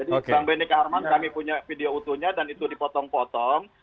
jadi bang benny kaharman kami punya video utuhnya dan itu dipotong potong